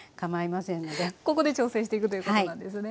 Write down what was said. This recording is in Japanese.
ここで調整していくということなんですね。